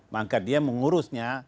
maka dia mengurusnya